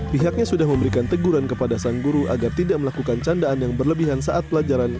pihaknya sudah memberikan teguran kepada sang guru agar tidak melakukan candaan yang berlebihan saat pelajaran